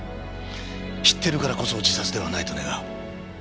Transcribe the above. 知ってるからこそ自殺ではないと願う。